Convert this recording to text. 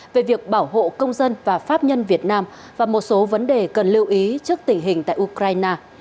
về việc bảo hộ công dân và pháp nhân việt nam và một số vấn đề cần lưu ý trước tình hình tại ukraine